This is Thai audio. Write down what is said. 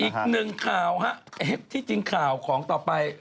อีกหนึ่งข่าวฮะที่จริงข่าวของต่อไป